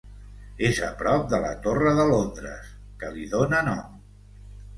És a prop de la Torre de Londres, que li dóna nom.